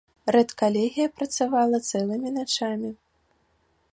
Рэдкалегія працавала цэлымі начамі.